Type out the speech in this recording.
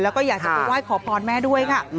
แล้วก็อยากจะไปไหว้ขอพรแม่ด้วยค่ะ